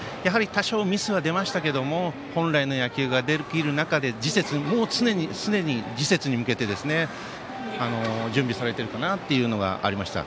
多少ミスは出ましたが本来の野球ができる中で常に次戦に向けて準備されているかなというのがありました。